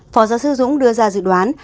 phó giáo sư dũng đưa ra dự đoán